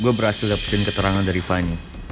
gua berhasil dapetin keterangan dari fany